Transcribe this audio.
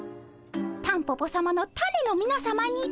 タンポポさまのタネのみなさまにて。